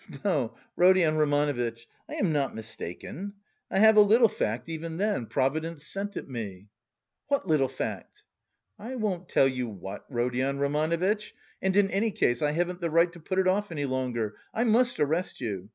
"No, Rodion Romanovitch, I am not mistaken. I have a little fact even then, Providence sent it me." "What little fact?" "I won't tell you what, Rodion Romanovitch. And in any case, I haven't the right to put it off any longer, I must arrest you.